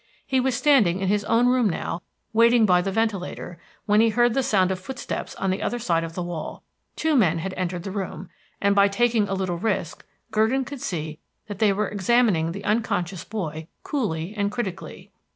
He was standing in his own room now, waiting by the ventilator, when he heard the sound of footsteps on the other side of the wall. Two men had entered the room, and by taking a little risk, Gurdon could see that they were examining the unconscious boy coolly and critically.